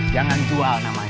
jangan jual namanya